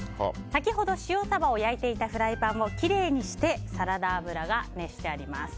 先ほど塩サバを焼いていたフライパンをきれいにしてサラダ油が熱してあります。